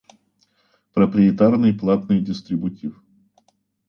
Проприетарный платный дистрибутив